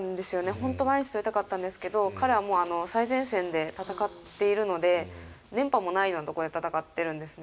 本当は毎日取りたかったんですけど彼はもう最前線で戦っているので電波もないようなとこで戦ってるんですね。